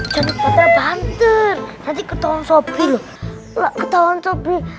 bantet nanti ketemu sopir